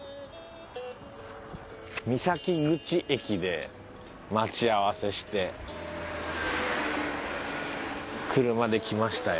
三崎口駅で待ち合わせして車で来ましたよ。